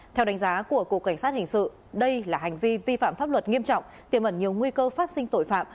theo đánh giá của cục cảnh sát hình sự đây là hành vi vi phạm pháp luật nghiêm trọng tiềm ẩn nhiều nguy cơ phát sinh tội phạm